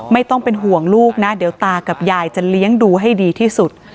ไม่ต้องเป็นห่วงลูกนะเดี๋ยวตากับยายจะเลี้ยงดูให้ดีที่สุด